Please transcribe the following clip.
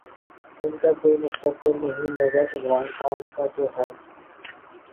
ان کا کوئی مستقبل نہیں، مگر عمران خان کا تو ہے۔